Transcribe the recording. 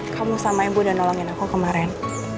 kamu sama ibu udah nolongin aku kemaren